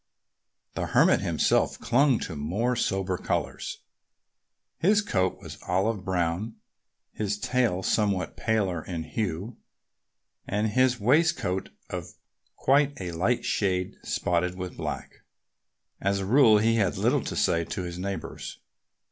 The Hermit himself clung to more sober colors. His coat was olive brown, his tail somewhat paler in hue, and his waistcoat of quite a light shade, spotted with black. As a rule he had little to say to his neighbors.